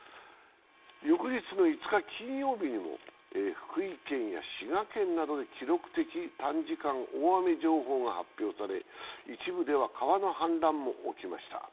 翌日の５日金曜日にも福井県や滋賀県などで記録的短時間大雨情報が発表され一部では川の氾濫も起きました。